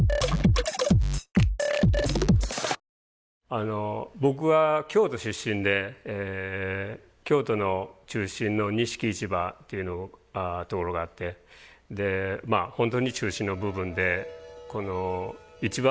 あの僕は京都出身で京都の中心の錦市場っていうところがあってでまあ本当に中心の部分でこの市場ですね。